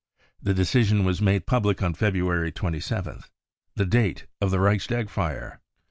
The decision was made public on February 27th, the date of the Reichstag fire.